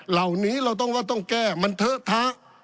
เหล่านี้เราต้องว่าต้องแก้มันเทอะทะ